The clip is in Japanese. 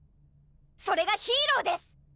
それがヒーローです！